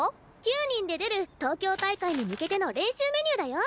９人で出る東京大会に向けての練習メニューだよ！